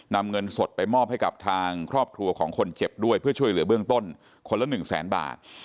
นำเงินสดไปมอบให้กับทางครอบครัวของคนเจ็บด้วยเพื่อช่วยเหลือเบื้องต้นคนละหนึ่งแสนบาท